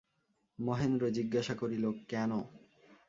মহেন্দ্র জিজ্ঞাসা করিল, কেন।